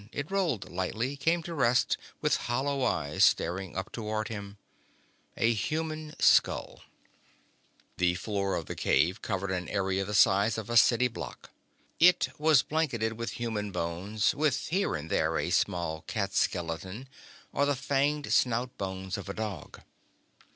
It rolled lightly, came to rest with hollow eyes staring toward him. A human skull. The floor of the cave covered an area the size of a city block. It was blanketed with human bones, with here and there a small cat skeleton or the fanged snout bones of a dog.